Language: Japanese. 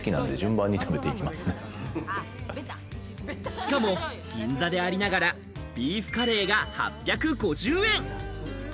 しかも銀座でありながら、ビーフカレーが８５０円。